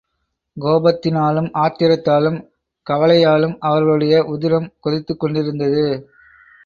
கோபத்தினாலும், ஆத்திரத்தாலும், கவலையாலும் அவர்களுடைய உதிரம் கொதித்துக் கொண்டிருந்தது.